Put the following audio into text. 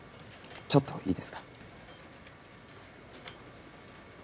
ちょっといいですか？